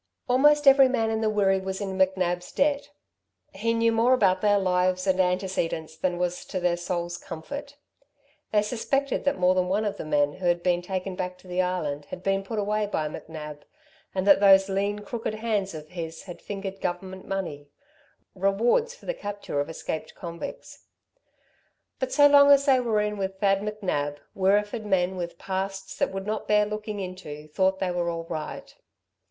Almost every man in the Wirree was in McNab's debt. He knew more about their lives and antecedents than was to their soul's comfort. They suspected that more than one of the men who had been taken back to the Island had been put away by McNab, and that those lean, crooked hands of his had fingered Government money rewards for the capture of escaped convicts. But so long as they were in with Thad McNab, Wirreeford men with pasts that would not bear looking into thought they were all right.